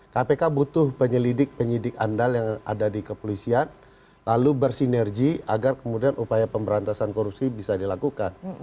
kpk butuh penyelidik penyidik andal yang ada di kepolisian lalu bersinergi agar kemudian upaya pemberantasan korupsi bisa dilakukan